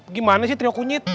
gimana sih trio kunyit